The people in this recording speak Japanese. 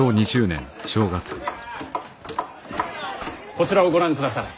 こちらをご覧くだされ。